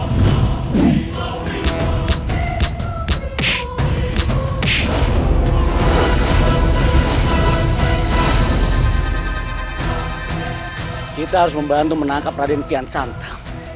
kita harus membantu menangkap raden kian santa